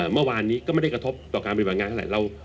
เมื่อวานนี้ก็ไม่ได้กระทบต่อการปฏิบัติงานเท่าไหร่